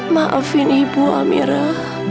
maafin ibu amirah